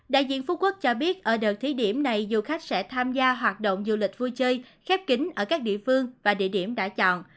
đại diện phú quốc cho biết ở đợt thí điểm này du khách sẽ tham gia hoạt động du lịch vui chơi khép kính ở các địa phương và địa điểm đã chọn